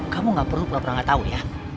kamu gak perlu farah gak tau ya